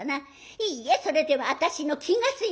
「いいえそれでは私の気が済みません。